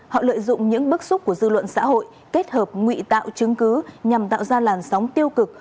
họ lợi dụng những bức xúc của dư luận xã hội kết hợp nguy tạo chứng cứ nhằm tạo ra làn sóng tiêu cực